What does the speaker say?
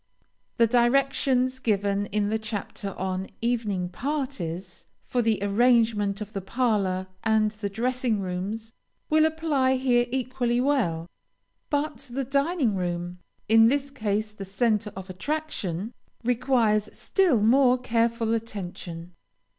The directions given in the chapter on "Evening parties" for the arrangement of the parlor and the dressing rooms, will apply here equally well, but the dining room (in this case the centre of attraction) requires still more careful attention.